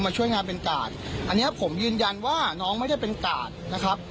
ช่วยงานเป็นกาดอันเนี้ยผมยืนยันว่าน้องไม่ได้เป็นกาดนะครับ